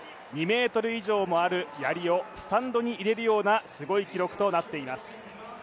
２ｍ以上もあるやりをスタンドに入れるようなすごい記録となっています。